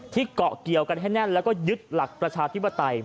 เกาะเกี่ยวกันให้แน่นแล้วก็ยึดหลักประชาธิปไตย